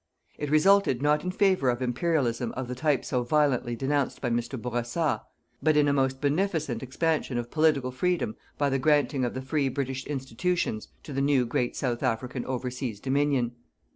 It resulted not in favor of Imperialism of the type so violently denounced by Mr. Bourassa, but in a most beneficent expansion of Political Freedom by the granting of the free British institutions to the new great South African overseas Dominion.